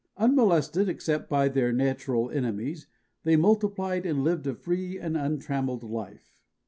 Unmolested except by their natural enemies, they multiplied and lived a free and untrammeled life.